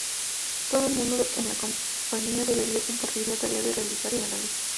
Todo el mundo en la compañía debería compartir la tarea de realizar el análisis.